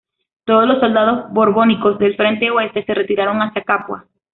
Todos los soldados borbónicos del frente oeste se retiraron hacia Capua.